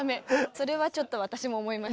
それはちょっと私も思います。